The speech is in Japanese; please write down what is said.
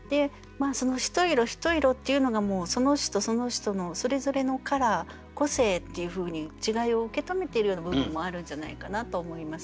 ひと色ひと色っていうのがその人その人のそれぞれのカラー個性っていうふうに違いを受け止めているような部分もあるんじゃないかなと思います。